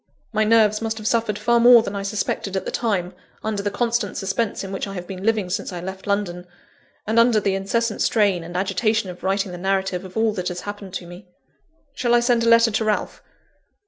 My nerves must have suffered far more than I suspected at the time, under the constant suspense in which I have been living since I left London, and under the incessant strain and agitation of writing the narrative of all that has happened to me. Shall I send a letter to Ralph?